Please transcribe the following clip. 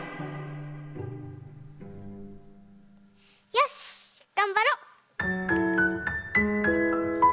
よしっがんばろう！